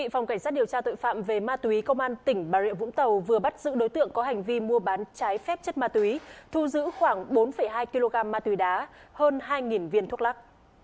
phòng cảnh sát điều tra tội phạm về ma túy công an tỉnh bà rịa vũng tàu vừa bắt giữ đối tượng có hành vi mua bán trái phép chất ma túy thu giữ khoảng bốn hai kg ma túy đá hơn hai viên thuốc lắc